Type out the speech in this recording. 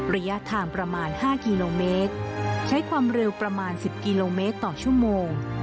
ระยะทางประมาณ๕กิโลเมตรใช้ความเร็วประมาณ๑๐กิโลเมตรต่อชั่วโมง